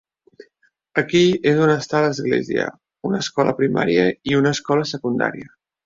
Aquí és on està l'església, una escola primària i una escola secundària.